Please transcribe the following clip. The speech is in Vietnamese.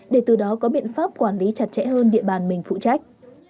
để từ đó có biện pháp quản lý chặt chẽ hơn địa bàn mình phụ trách